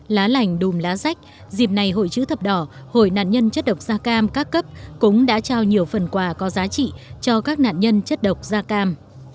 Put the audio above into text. lá lành đùm lá sách dịp này hội chữ thập đỏ hội nạn nhân chất độc da cam các cấp cũng đã trao nhiều phần quà có giá trị cho các nạn nhân chất độc da cam